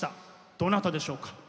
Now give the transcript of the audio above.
どなたでしょうか？